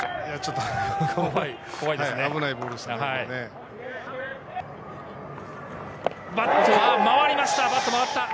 危ないボールでしたね。